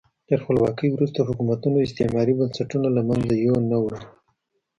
تر خپلواکۍ وروسته حکومتونو استعماري بنسټونه له منځه یو نه وړل.